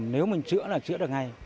nếu mình chữa là chữa được ngay